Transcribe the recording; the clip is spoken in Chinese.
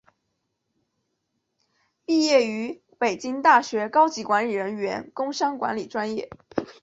毕业于北京大学高级管理人员工商管理专业。